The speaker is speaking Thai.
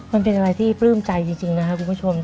มันเป็นอะไรที่ปลื้มใจจริงนะครับคุณผู้ชม